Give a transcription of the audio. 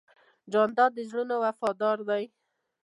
جانداد د زړونو وفادار دی.